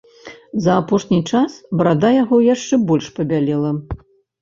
За апошні час барада яго яшчэ больш пабялела.